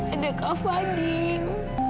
ada kak fadil